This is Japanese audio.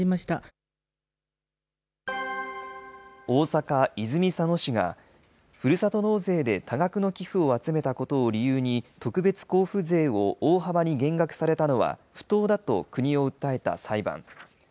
大阪・泉佐野市が、ふるさと納税で多額の寄付を集めたことを理由に、特別交付税を大幅に減額されたのは不当だと国を訴えた裁判。